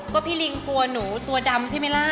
ก็พี่ลิงปลูกว่าหนูตัวดำใช่มั้ยล่ะ